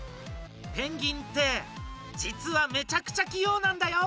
ペンギンって実はめちゃくちゃ器用なんだよ！